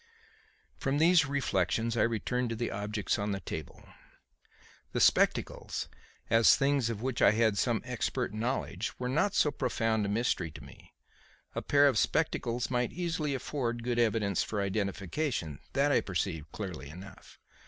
From these reflections I returned to the objects on the table. The spectacles, as things of which I had some expert knowledge, were not so profound a mystery to me. A pair of spectacles might easily afford good evidence for identification; that I perceived clearly enough.